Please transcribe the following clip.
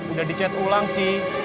udah dicat ulang sih